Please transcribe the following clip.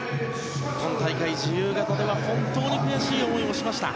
今大会、自由形では本当に悔しい思いもしました。